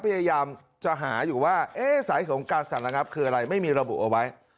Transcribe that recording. พยายามจะหาอยู่ว่าสายของการสารระงับคืออะไรไม่มีระบุเอาไว้